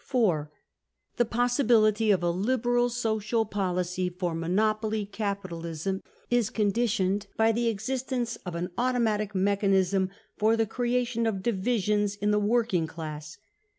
4^ The possibility of a Liberal social policy for monopoly capitalism is conditioned by the existence of an auto matic mechanism for the creatioii of divisions in the working class.